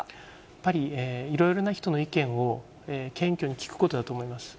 やっぱり、いろいろな人の意見を謙虚に聞くことだと思います。